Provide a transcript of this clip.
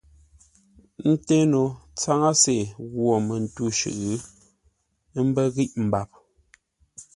Ńté no tsáŋə́se ghwô mətû shʉʼʉ, ə́ mbə́ ghíʼ mbap.